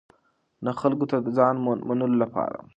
نه خلکو ته د ځان منلو لپاره.